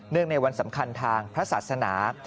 เนื่องในวันสำคัญทางพระศาสนา